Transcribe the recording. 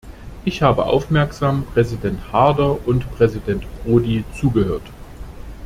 Ich habe aufmerksam Präsident Haarder und Präsident Prodi zugehört.